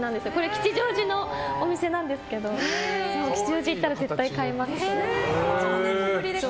吉祥寺のお店なんですけど吉祥寺行ったら絶対買います。